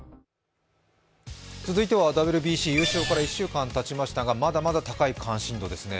続いてはＷＢＣ優勝から１週間たちましたがまだまだ高い関心度ですね。